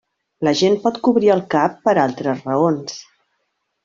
La gent pot cobrir el cap per altres raons.